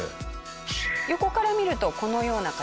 横から見るとこのような形。